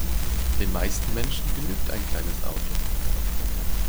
Den meisten Menschen genügt ein kleines Auto.